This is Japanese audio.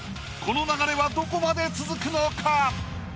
この流れはどこまで続くのか？